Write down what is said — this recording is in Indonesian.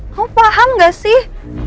kamu paham gak sih